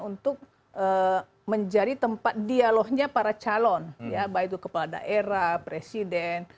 untuk menjadi tempat dialognya para calon ya baik itu kepala daerah presiden